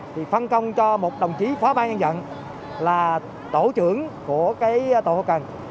thì phân công cho một đồng chí phó ban nhân dân là tổ trưởng của cái tổ hậu cần